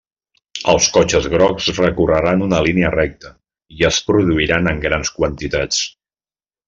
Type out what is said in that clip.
Els cotxes grocs recorreran una línia recta i es produiran en grans quantitats.